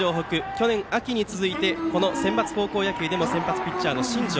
去年秋に続いてセンバツ高校野球でも先発ピッチャーの新庄。